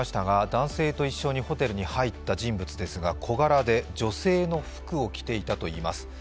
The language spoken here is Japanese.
男性と一緒にホテルに入った人物ですが小柄で女性の服を着ていたといいます。